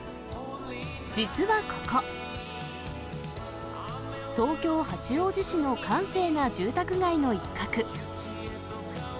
実はここ、東京・八王子市の閑静な住宅街の一角。